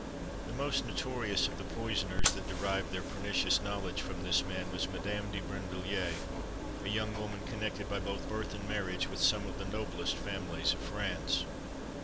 The most notorious of the poisoners that derived their pernicious knowledge from this man was Madame de Brinvilliers, a young woman connected both by birth and marriage with some of the noblest families of France.